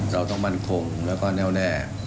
เราต้องมั่นคงแล้วก็แน่วแน่